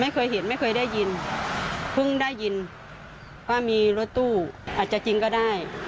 ไม่เคยเห็นไม่เคยได้ยินเพิ่งได้ยินว่ามีรถตู้อาจจะจริงก็ได้